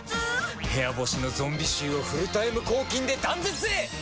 部屋干しのゾンビ臭をフルタイム抗菌で断絶へ！